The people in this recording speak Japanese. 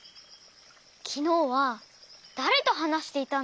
きのうはだれとはなしていたんですか？